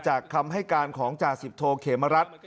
คำให้การของจ่าสิบโทเขมรัฐ